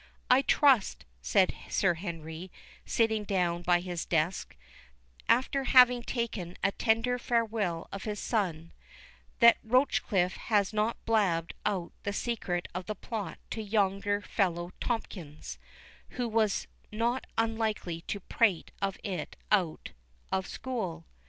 "I trust," said Sir Henry, sitting down by his desk, after having taken a tender farewell of his son, "that Rochecliffe has not blabbed out the secret of the plot to yonder fellow Tomkins, who was not unlikely to prate of it out of school.